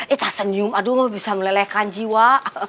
eh tak senyum aduh gak bisa melelehkan jiwa